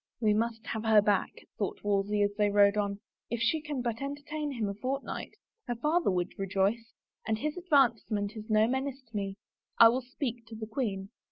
" We must have her back," thought Wolsey as they rode on, " if she can but entertain him a fortnight. Her father would rejoice ... and his advancement is no menace to me. ... I will speak to the queen."